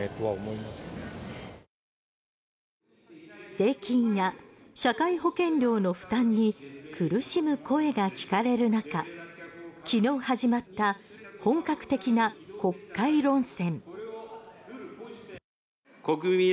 税金や社会保険料の負担に苦しむ声が聞かれる中昨日始まった本格的な国会論戦。